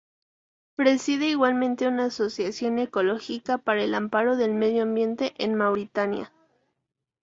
Preside igualmente una asociación ecológica para el amparo del medio ambiente en Mauritania.